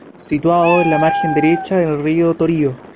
Situado en la margen derecha del Río Torío.